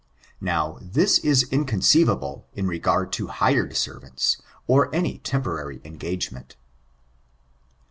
Now this is inconceivable, in regard to hired servants, or any temporary engagement.